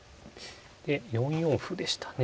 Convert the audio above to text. ４四歩でしたね。